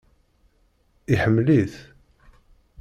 Iḥemmel-it?